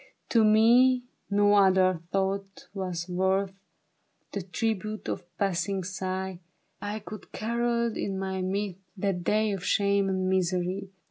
To me no other thought was worth The tribute of a passing sigh ; I could have carolled in my mirth, That day of shame and misery.